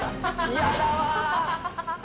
嫌だわ。